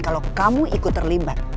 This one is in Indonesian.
kalau kamu ikut terlibat